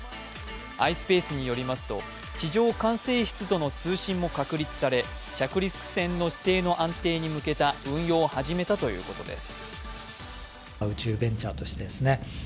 ｉｓｐａｃｅによりますと地上管制室との通信も確立され着陸船の姿勢の安定に向けた運用を始めたということです。